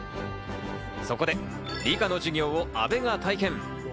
そこで理科の授業を阿部が体験。